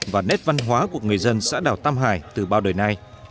và nét văn hóa của người dân xã đảo tam hải từ bao đời nay